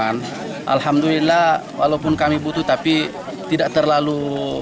hai alhamdulillah walaupun kami butuh tapi tidak terlalu